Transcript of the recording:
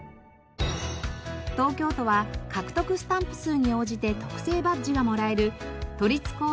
東京都は獲得スタンプ数に応じて特製バッジがもらえる都立公園